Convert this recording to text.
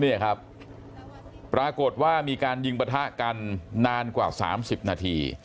เนี่ยครับปรากฏว่ามีการยิงประทะกันนานกว่า๓๐นาที